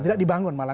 tidak dibangun malah